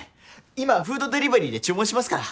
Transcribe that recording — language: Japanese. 今フードデリバリーで注文しますから。